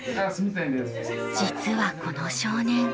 実はこの少年